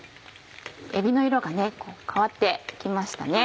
えびの色が変わって来ましたね。